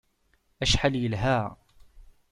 Acḥal yelha!